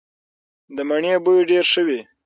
د مڼې بوی ډیر ښه وي.